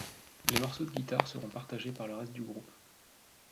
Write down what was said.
Les morceaux de guitare seront partagé par le reste du groupe.